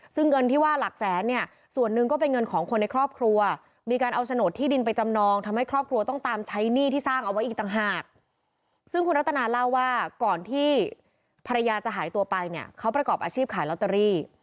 ซึ่งคุณรัตนาเล่าว่าก่อนที่ภรรยาจะหายตัวไปเขาประกอบอาชีพขายลอตเตอรี่